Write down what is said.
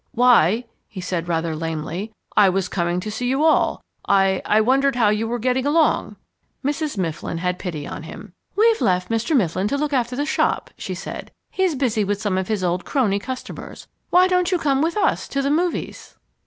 "Why," he said rather lamely, "I was coming to see you all. I I wondered how you were getting along." Mrs. Mifflin had pity on him. "We've left Mr. Mifflin to look after the shop," she said. "He's busy with some of his old crony customers. Why don't you come with us to the movies?"